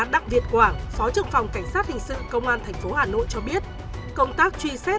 đặng việt quảng phó trưởng phòng cảnh sát hình sự công an tp hà nội cho biết công tác truy xét